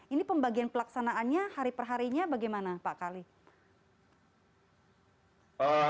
ini pembagian pelaksanaannya hari perharinya bagaimana pak kali